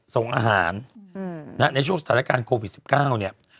ส่งอาหารอือนะในช่วงสถานการณ์โควิดสิบเก้าเนี้ย